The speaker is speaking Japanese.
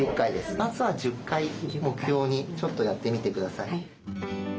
まずは１０回目標にちょっとやってみてください。